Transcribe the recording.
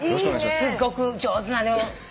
すっごく上手なの。